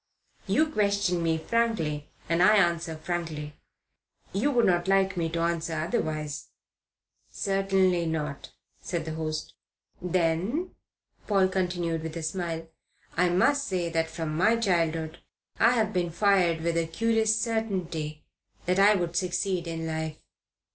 You question me frankly and I answer frankly. You would not like me to answer otherwise." "Certainly not," said his host. "Then," Paul continued, with a smile, "I must say that from my childhood I have been fired with a curious certainty that I would succeed in life.